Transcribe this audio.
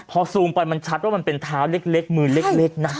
พอซูมไปมันชัดว่ามันเป็นเท้าเล็กมือเล็กนะ